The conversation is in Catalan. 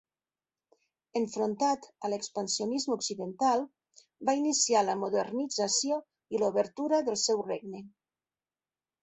Enfrontat a l'expansionisme occidental, va iniciar la modernització i l'obertura del seu regne.